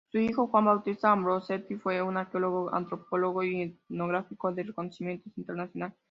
Su hijo, Juan Bautista Ambrosetti fue un arqueólogo, antropólogo y etnógrafo de reconocimiento internacional.